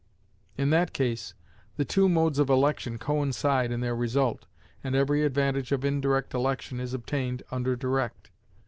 In that case the two modes of election coincide in their result, and every advantage of indirect election is obtained under direct.